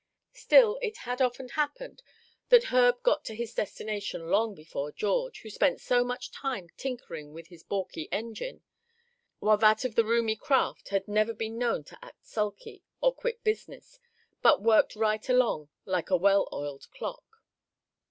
Still, it had often happened that Herb got to his destination long before George, who spent so much time tinkering with his balky engine, while that of the roomy craft had never been known to act sulky, or quit business, but worked right along like a well oiled clock.